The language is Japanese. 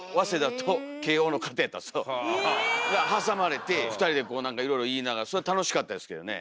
挟まれて２人でなんかいろいろ言いながらそれは楽しかったですけどね。